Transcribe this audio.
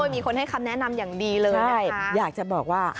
มีคนให้คำแนะนำอย่างดีเลยอยากจะบอกว่า